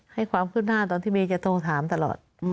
ให้ความขึ้นหน้าตอนที่เมย์จะโทรถามตลอด